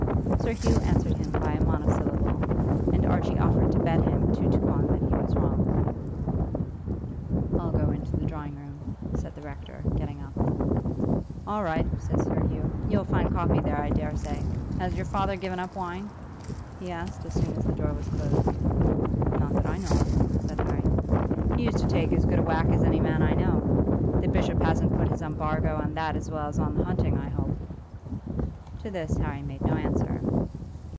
Sir Hugh answered him by a monosyllable, and Archie offered to bet him two to one that he was wrong. "I'll go into the drawing room," said the rector, getting up. "All right," said Sir Hugh; "you'll find coffee there, I daresay. Has your father given up wine?" he asked, as soon as the door was closed. "Not that I know of," said Harry. "He used to take as good a whack as any man I know. The bishop hasn't put his embargo on that as well as the hunting, I hope?" To this Harry made no answer.